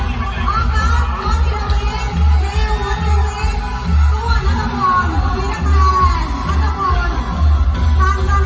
ขอเส้นมิดภัณฑ์ให้กันขอบคุณให้ก็รู้สึกสุดหล่อ